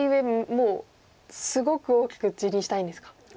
もうすごく大きく地にしたいんですか。